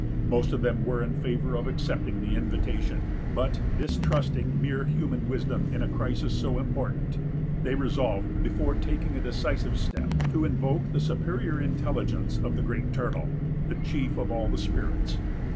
Most of them were in favor of accepting the invitation; but, distrusting mere human wisdom in a crisis so important, they resolved, before taking a decisive step, to invoke the superior intelligence of the Great Turtle, the chief of all the spirits.